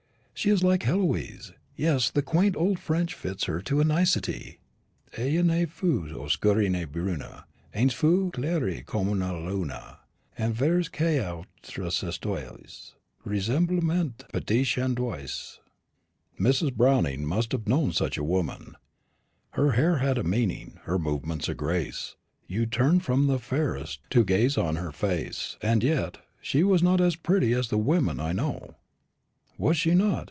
"She is like Heloise. Yes, the quaint old French fits her to a nicety: 'Elle ne fu oscure ne brune, Ains fu clere comme la lune, Envers qui les autres estoiles Ressemblent petites chandoiles.' Mrs. Browning must have known such a woman: 'Her air had a meaning, her movements a grace; You turned from the fairest to gaze on her face;' and yet 'She was not as pretty as women I know.' Was she not?"